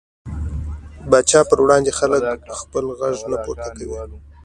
پاچا پر وړاندې خلک خپل غږ نه پورته کوي .